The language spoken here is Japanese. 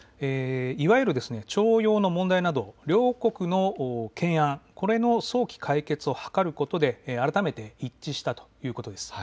いわゆる徴用の問題など両国の懸案、これの早期解決を図ることで改めて一致したということです。